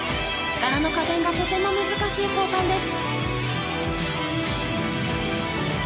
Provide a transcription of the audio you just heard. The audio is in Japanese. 力の加減がとても難しい交換です。